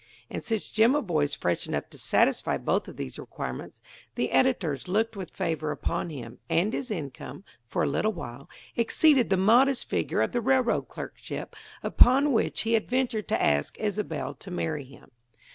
And since Jimaboy was fresh enough to satisfy both of these requirements, the editors looked with favor upon him, and his income, for a little while, exceeded the modest figure of the railroad clerkship upon which he had ventured to ask Isobel to marry him.